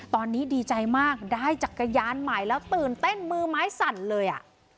ตอนนี้ดีใจมากได้จักรยานใหม่แล้วตื่นเต้นมือไม้สั่นเลยอ่ะ